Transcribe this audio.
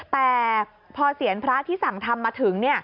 แต่พอเสียงพระที่สั่งทำมาถึง